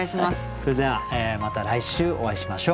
それではまた来週お会いしましょう。